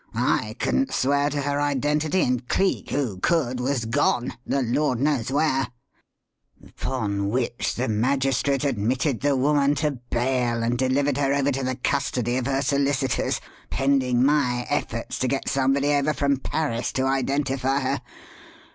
I couldn't swear to her identity, and Cleek, who could, was gone the Lord knows where; upon which the magistrate admitted the woman to bail and delivered her over to the custody of her solicitors pending my efforts to get somebody over from Paris to identify her.